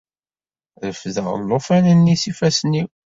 Refdeɣ llufan-nni s yifassen-iw.